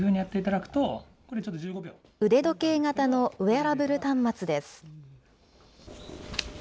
腕時計型のウェアラブル端末です。